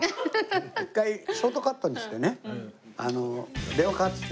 一回ショートカットにしてね電話かかってきて。